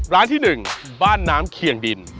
ร้านที่๑บ้านน้ำเคียงดิน